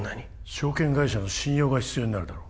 証券会社の信用が必要になるだろ